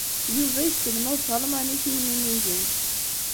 Yuba yesselmad talmanit i yiminigen.